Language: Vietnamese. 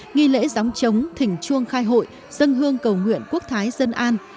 nghi lễ gióng trống thỉnh chuông khai hội dân hương cầu nguyện quốc thái dân an